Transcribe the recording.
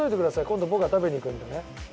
今度僕が食べに行くんでね。